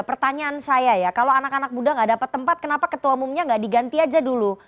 pertanyaan saya ya kalau anak anak muda gak dapat tempat kenapa ketua umumnya nggak diganti aja dulu